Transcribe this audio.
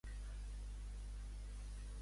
Detingut un home per matar la seva filla a Súria.